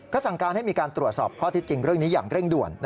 สั่งการให้มีการตรวจสอบข้อที่จริงเรื่องนี้อย่างเร่งด่วน